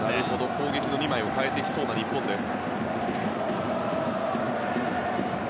攻撃の２枚を代えてきそうな日本です。